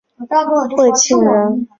讳庆仁。